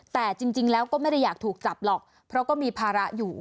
แต่จริงแล้วก็ไม่ได้อยากถูกจับหรอกเพราะก็มีภาระอยู่